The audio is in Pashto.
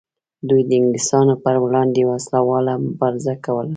دوی د انګلیسانو پر وړاندې وسله واله مبارزه کوله.